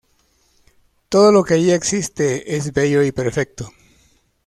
Todo lo que allí existe es bello y perfecto.